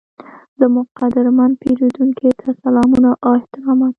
زموږ قدرمن پیرودونکي ته سلامونه او احترامات،